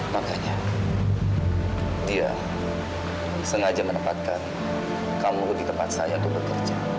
makanya dia sengaja menempatkan kamu di tempat saya untuk bekerja